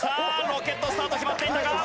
ロケットスタート決まっていったか？